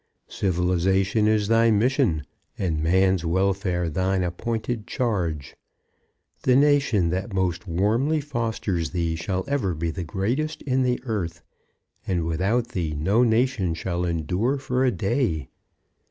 Civilization is thy mission, and man's welfare thine appointed charge. The nation that most warmly fosters thee shall ever be the greatest in the earth; and without thee no nation shall endure for a day.